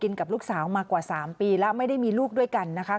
กับลูกสาวมากว่า๓ปีแล้วไม่ได้มีลูกด้วยกันนะคะ